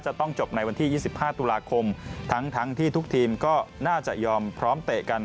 จะต้องจบในวันที่๒๕ตุลาคมทั้งที่ทุกทีมก็น่าจะยอมพร้อมเตะกัน